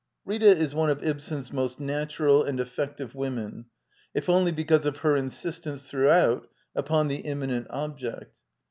Rita is one of Ibsen's most natural and effective women, if only because of her insistence throughout upon the imminent object.